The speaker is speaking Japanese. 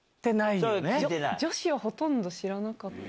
女子はほとんど知らなかった。